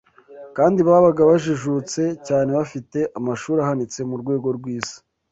kandi babaga bajijutse cyane bafite amashuri ahanitse mu rwego rw’isi